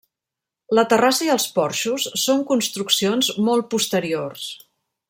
La terrassa i els porxos són construccions molt posteriors.